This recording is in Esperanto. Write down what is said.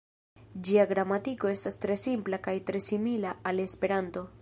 Ĝia gramatiko estas tre simpla kaj tre simila al Esperanto.